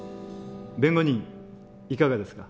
弁護人いかがですか？